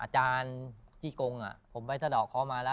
อาจารย์จี้กงผมไปสะดอกเขามาแล้ว